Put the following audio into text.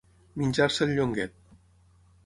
Menjar-se el llonguet.